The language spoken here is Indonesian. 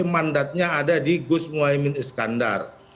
mandatnya ada di gus muhaymin iskandar